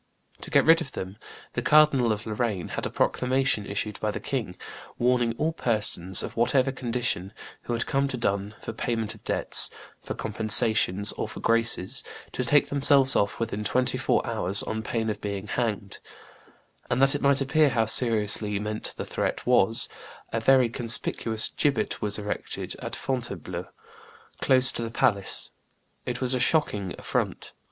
To get rid of them, the Cardinal of Lorraine had a proclamation issued by the king, warning all persons, of whatever condition, who had come to dun for payment of debts, for compensations, or for graces, to take themselves off within twenty four hours on pain of being hanged; and, that it might appear how seriously meant the threat was, a very conspicuous gibbet was erected at Fontainebleau close to the palace. It was a shocking affront.